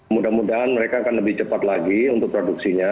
mudah mudahan mereka akan lebih cepat lagi untuk produksinya